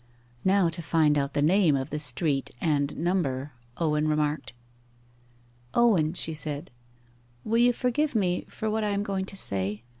'Now to find out the name of the street and number,' Owen remarked. 'Owen,' she said, 'will you forgive me for what I am going to say?